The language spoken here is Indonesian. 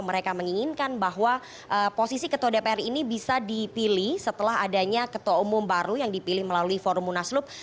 mereka menginginkan bahwa posisi ketua dpr ini bisa dipilih setelah adanya ketua umum baru yang dipilih melalui forum munaslup